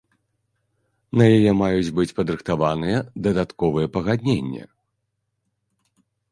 На яе маюць быць падрыхтаваныя дадатковыя пагадненні.